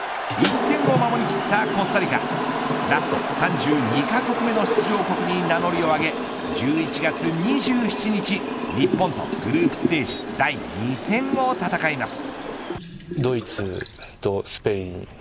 １点を守り切ったコスタリカラスト３２カ国目の出場国に名乗りを上げ１１月２７日日本とグループステージ第２戦を戦います。